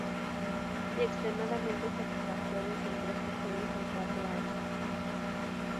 Y extremadamente satisfactorio, con tres victorias en cuatro años.